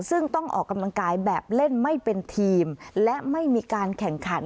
ซึ่งต้องออกกำลังกายแบบเล่นไม่เป็นทีมและไม่มีการแข่งขัน